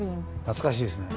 懐かしいですね。